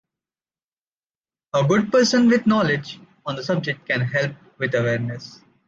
A good person with knowledge on the subject can help with awareness